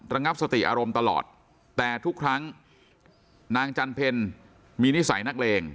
งับสติอารมณ์ตลอดแต่ทุกครั้งนางจันเพลมีนิสัยนักเลง